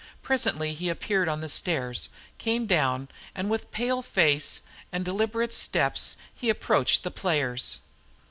Presently he appeared on the stairs, came down, and with pale face and deliberate steps he approached the players.